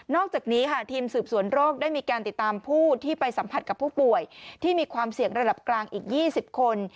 อกจากนี้ค่ะทีมสืบสวนโรคได้มีการติดตามผู้ที่ไปสัมผัสกับผู้ป่วยที่มีความเสี่ยงระดับกลางอีก๒๐คน